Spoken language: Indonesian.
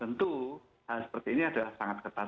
tentu hal seperti ini adalah sangat ketat